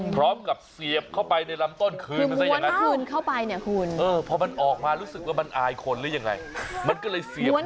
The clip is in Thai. ปลีกล้วยเนี้ย